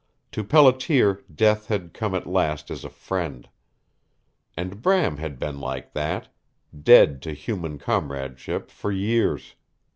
To Pelletier death had come at last as a friend. And Bram had been like that dead to human comradeship for years.